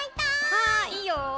あいいよ。